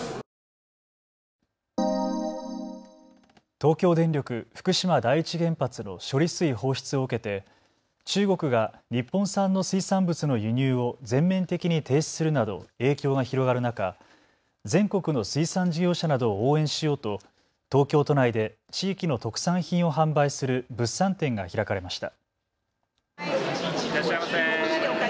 東京電力福島第一原発の処理水放出を受けて中国が日本産の水産物の輸入を全面的に停止するなど影響が広がる中、全国の水産事業者などを応援しようと東京都内で地域の特産品を販売する物産展が開かれました。